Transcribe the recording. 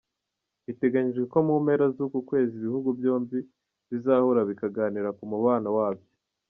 Biteganyijwe ko mu mpera z’uku kwezi ibihugu byombi bizahura bikaganira ku mubano wabyo.